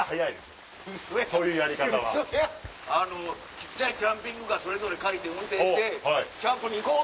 小っちゃいキャンピングカーそれぞれ借りて運転してキャンプに行こう！